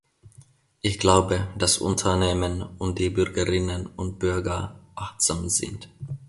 Ich glaube, das Unternehmen und die Bürgerinnen und Bürger achtsam sind.